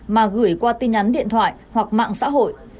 mà gửi qua tin nhắn điện thoại hoặc mạng xã hội